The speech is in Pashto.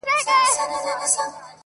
پرېميږده ، پرېميږده سزا ده د خداى.